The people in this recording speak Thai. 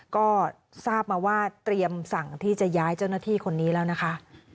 ก็ทราบมาว่าเตรียมสั่งที่จะย้ายเจ้าหน้าที่คนนี้แล้วนะคะ